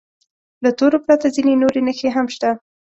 له تورو پرته ځینې نورې نښې هم شته.